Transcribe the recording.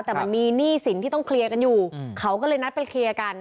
แต่มันมีหนี้สินที่ต้องเคลียร์กันอยู่เขาก็เลยนัดไปเคลียร์กัน